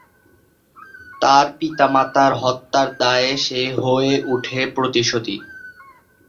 তিনি বাণিজ্য মন্ত্রণালয়ের উপদেষ্টা পদেও দীর্ঘদিন দায়িত্ব পালন করেছেন।